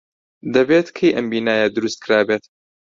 دەبێت کەی ئەم بینایە دروست کرابێت.